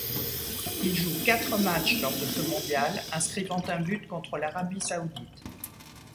Il joue quatre matchs lors de ce mondial, inscrivant un but contre l'Arabie saoudite.